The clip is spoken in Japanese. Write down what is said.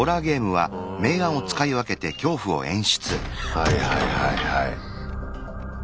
はいはいはいはい。